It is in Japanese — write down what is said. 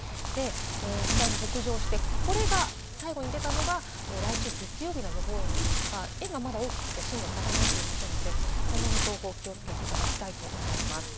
次第に北上して、これが最後に出たのが来週月曜日の予報円なんですが、円がまだ大きくて定まっていませんが、今後の情報に気をつけていただきたいと思います。